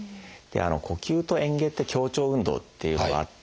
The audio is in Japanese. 呼吸とえん下って協調運動っていうのがあって。